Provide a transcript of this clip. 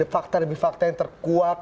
fakta fakta yang terkuat